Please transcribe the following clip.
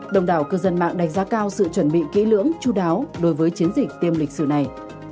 đồng đảo cư dân mạng đánh giá cao sự chuẩn bị kỹ lưỡng chú đáo đối với chiến dịch tiêm lịch sử này